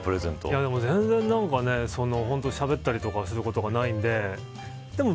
でも全然しゃべったりとかすることがないんで。